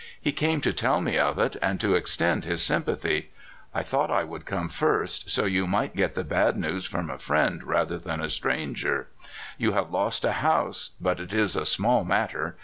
He came to tell me of it, and to extend his sympathy. "I thought I would come first, so you might get the bad news from a friend rather than a stranger. You have lost a house; but it is a small matter.